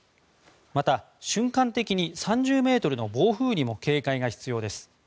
また、瞬間的に３０メートルの暴風にも警戒が必要です。